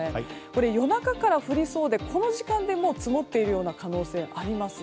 これ、夜中から降りそうでこの時間でもう積もっているような可能性もあります。